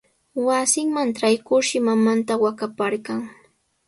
Wasinman traykurshi mamanta waqaparqan.